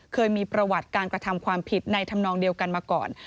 เคยมีประวัติการกระทำความผิดในธรรมนองเดียวกันมาก่อน